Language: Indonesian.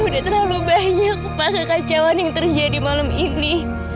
udah terlalu banyak kekacauan yang terjadi malam ini